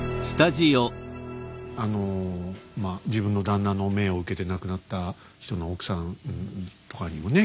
あの自分の旦那の命を受けて亡くなった人の奥さんとかにもね